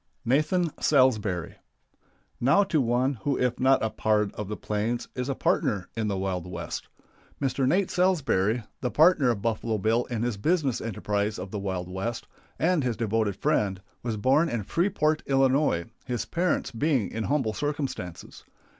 NATHAN SALSBURY. Now to one who if not a "pard" of the plains is a partner in the Wild West. [Illustration: Yours Truly Nate Salsbury ] Mr. Nate Salsbury, the partner of Buffalo Bill in his business enterprise of the Wild West, and his devoted friend, was born in Freeport, Ill., his parents being in humble circumstances.